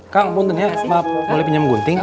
kang punggung ya maaf boleh pinjam gunting